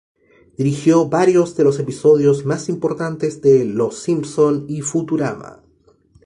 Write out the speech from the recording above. Dirigió varios de los episodios más importantes de "Los Simpson" y "Futurama".